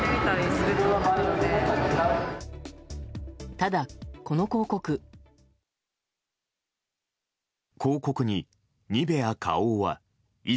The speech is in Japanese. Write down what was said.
ただ、この広告。